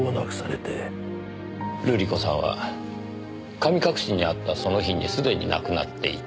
瑠璃子さんは神隠しにあったその日にすでに亡くなっていた。